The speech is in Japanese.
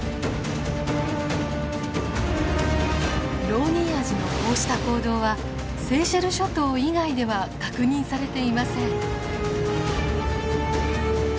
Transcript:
ロウニンアジのこうした行動はセーシェル諸島以外では確認されていません。